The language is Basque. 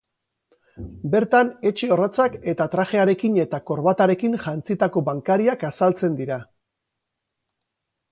Bertan etxe orratzak eta trajearekin eta korbatarekin jantzitako bankariak azaltzen dira.